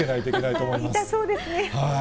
痛そうですね。